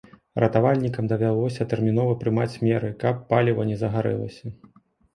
Ратавальнікам давялося тэрмінова прымаць меры, каб паліва не загарэлася.